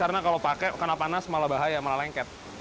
karena kalau pakai karena panas malah bahaya malah lengket